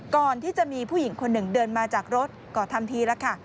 ก่อนที่จะมีผู้หญิงคนหนึ่งเดินมาจากรถก็ทำทีแล้วค่ะ